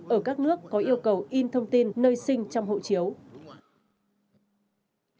ở các nước có yêu cầu in thông tin nơi sinh trong hộ chiếu